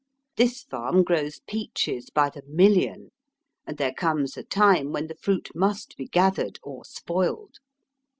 This farm grows peaches by the million, and there comes a time when the fruit must be gathered or spoiled.